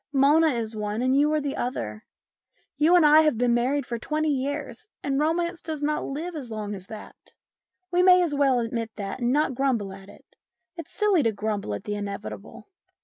Mona is one, and you are the other. You and I have been married for twenty years, and romance does not live as long as that. We may as well admit that and not grumble at it ; it's silly to grumble at the inevitable.